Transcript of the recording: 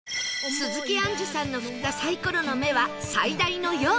鈴木杏樹さんの振ったサイコロの目は最大の「４」